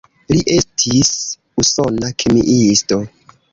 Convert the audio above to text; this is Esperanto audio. Li estis usona kemiisto.